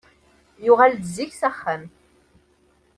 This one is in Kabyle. Yuɣal-d zik s axxam.